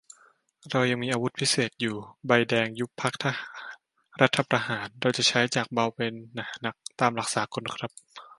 เรายังมีอาวุธพิเศษอยู่ ใบแดง ยุบพรรค รัฐประหาร เราจะใช้จากเบาไปหาหนัก ตามหลักสากลครับ